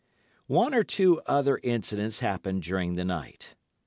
One or two other incidents happened during the night.